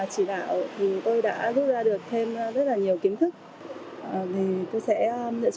thì tôi cũng mới ra đây để kinh doanh nên là có nhiều quy định thì tôi chưa ngắm được rõ